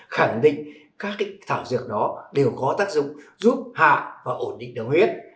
khẳng định các cái thảo dược đó đều có tác dụng giúp hạ và ổn định đường huyết